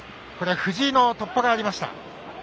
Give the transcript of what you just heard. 藤井の突破がありました。